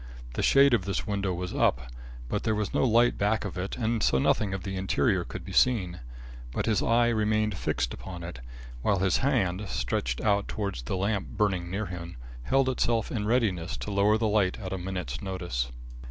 The shade of this window was up, but there was no light back of it and so nothing of the interior could be seen. But his eye remained fixed upon it, while his hand, stretched out towards the lamp burning near him, held itself in readiness to lower the light at a minute's notice.